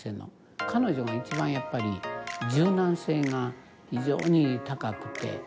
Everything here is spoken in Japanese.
彼女が一番やっぱり柔軟性が非常に高くて。